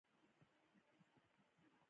ایا زما روژه ماتیږي که وینه ورکړم؟